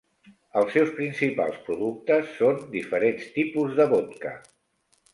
Els seus principals productes són diferents tipus de vodka.